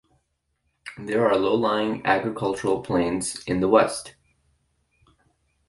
There are low-lying agricultural plains in the west.